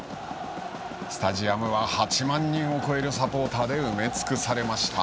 スタジアムは８万人を超えるサポーターで埋め尽くされました。